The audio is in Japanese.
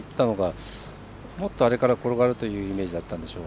もっとあれから転がるというイメージだったんでしょう。